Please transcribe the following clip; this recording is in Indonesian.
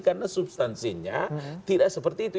karena substansinya tidak seperti itu